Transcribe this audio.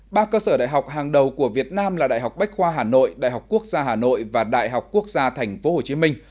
ba cơ sở đại học hàng đầu của việt nam là đại học bách khoa hà nội đại học quốc gia hà nội và đại học quốc gia thành phố hồ chí minh